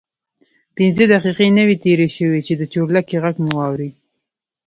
پنځه دقیقې نه وې تېرې شوې چې د چورلکې غږ مو واورېد.